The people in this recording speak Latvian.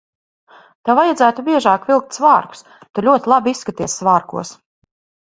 Tev vajadzētu biežāk vilkt svārkus. Tu ļoti labi izskaties svārkos.